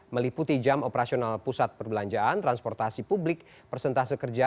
meliputi jam operasional pusat perbelanjaan transportasi publik persentase kerja